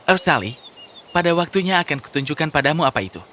rosali pada waktunya akan kutunjukkan padamu apa itu